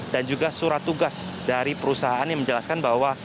dan juga surat tugas dari perusahaan yang menjelaskan bahwa